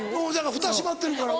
フタ閉まってるから。